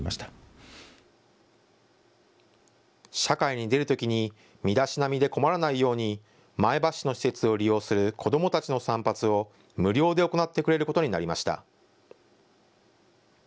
社会に出るときに身だしなみで困らないように前橋市の施設を利用する子どもたちの散髪を無料で行ってくれることになりました。